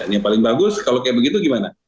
yang paling bagus kalau kayak begitu gimana